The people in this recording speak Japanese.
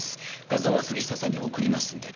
画像は杉下さんに送りますんで。